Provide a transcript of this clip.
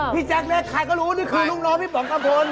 พี่แจ๊กเล็กใครก็รู้นี่คือลุงน้องพี่ผอมท่ำคลน